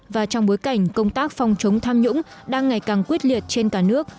và trong bối cảnh công tác phòng chống tham nhũng đang ngày càng quyết liệt trên cả nước